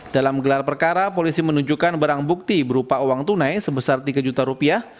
dalam gelar perkara polisi menunjukkan barang bukti berupa uang tunai sebesar tiga juta rupiah